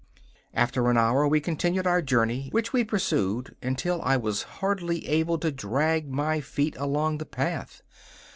After an hour we continued our journey, which we pursued until I was hardly able to drag my feet along the path.